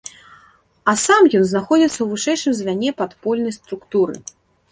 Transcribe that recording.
А сам ён знаходзіцца ў вышэйшым звяне падпольнай структуры.